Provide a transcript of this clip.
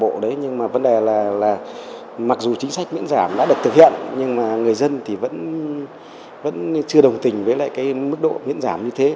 theo như chỉ đạo của bộ nhưng mà vấn đề là mặc dù chính sách miễn giảm đã được thực hiện nhưng mà người dân thì vẫn chưa đồng tình với lại cái mức độ miễn giảm như thế